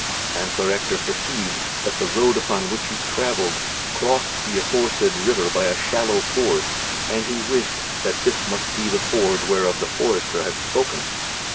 And Sir Ector perceived that the road upon which he travelled crossed the aforesaid river by a shallow ford, and he wist that this must be the ford whereof the forester had spoken.